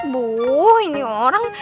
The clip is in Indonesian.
buuh ini orang